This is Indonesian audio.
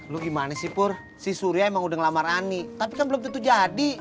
lu gimana sih pur si surya emang udah lama rani tapi kan belum tentu jadi